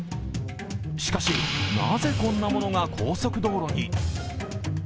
しかし、なぜこんなものが高速道路に。